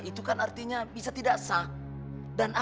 itu kan artinya bisa tidak ada perubahan ya pak